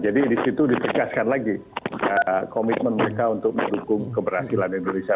jadi di situ disikaskan lagi komitmen mereka untuk mendukung keberhasilan indonesia